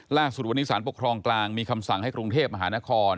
ล่าสุดวันนี้สารปกครองกลางมีคำสั่งให้กรุงเทพมหานคร